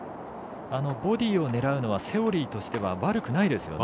ボディーを狙うのはセオリーとしては悪くないですよね。